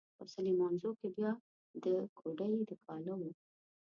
په سليمانزو کې بيا د کوډۍ د کاله و.